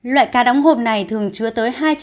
loại cá đóng hộp này thường chứa tới